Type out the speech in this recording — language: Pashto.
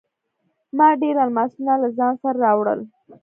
ما ډیر الماسونه له ځان سره راوړل.